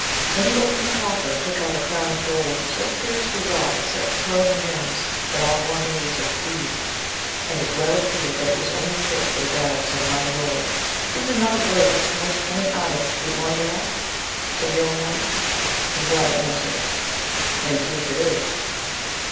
Then he opened the coffer, and took out a crown of gold, so curiously wrought and set with pearls and gems, that all were amazed at its beauty, and it well appeared that it was only fit for the brow of some mighty lord. Is it not a work which the most cunning artists would wonder at ? said the old knight. Lisuarte answered, In truth it is.